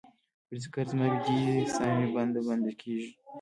پر ځیګــر زما بیدیږې، سا مې بنده، بنده کیږې